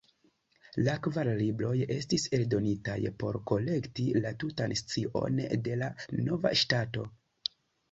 La kvar libroj estis eldonitaj por kolekti la tutan scion de la nova ŝtato.